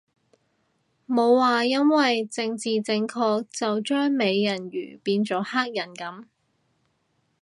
冇話因為政治正確就將美人魚變咗黑人噉